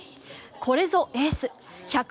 これぞエース。